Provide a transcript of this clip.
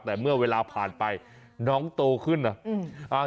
แต่เมื่อเวลาผ่านไปน้องโตขึ้นนะ